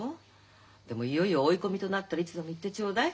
でもいよいよ追い込みとなったらいつでも言ってちょうだい。